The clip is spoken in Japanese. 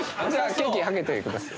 ケーキはけてください。